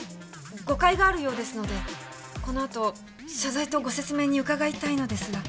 誤解があるようですのでこのあと謝罪とご説明に伺いたいのですが。